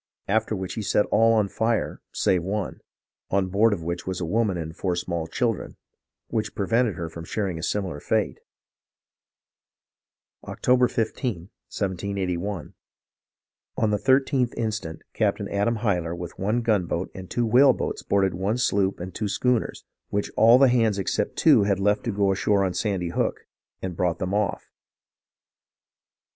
... After which he set all on fire, save one, on board of which was a woman and four small children, which prevented her from sharing a similar fate." "Oct. 15, 1 78 1. On the 13th inst. Capt. Adam Hyler with one gunboat and two whale boats boarded one sloop and two schooners, which all the hands except two had left to go ashore on Sandy Hook, and brought them off.